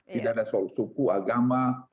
tidak ada soal suku agama